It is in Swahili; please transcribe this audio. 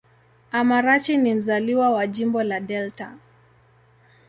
Amarachi ni mzaliwa wa Jimbo la Delta.